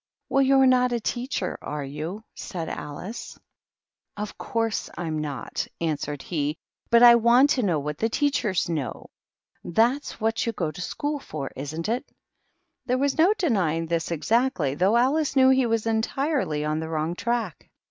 " Well, you're not a teacher, are you?" said Alice. THE MOCK TURTLE. 213 "Of course Fm not," answered he; "but I want to know what the teachers know. That's what you go to school for, isn't it?" There was no denying this exactly, though Alice knew he was entirely on the wrong track.